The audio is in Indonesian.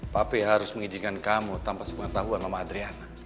papa harus mengizinkan kamu tanpa sebuah tahuan mama adriana